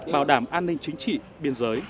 bảo đảm an ninh chính trị biên giới